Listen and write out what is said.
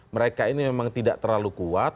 mereka ini memang tidak terlalu kuat